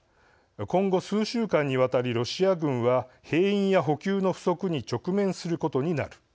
今後、数週間にわたりロシア軍は兵員や補給の不足に直面することになる。